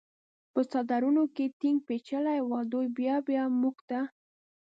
په څادرونو کې ټینګ پېچلي و، دوی بیا بیا موږ ته.